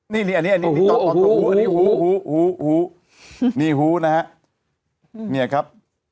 นี่อันนี้หู้นี่หู้นะครับเนี่ยครับ